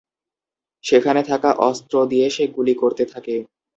সেখানে থাকা অস্ত্র দিয়ে সে গুলি করতে থাকে।